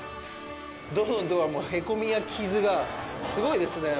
どのドアも、へこみや傷がすごいですね。